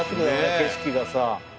景色がさ。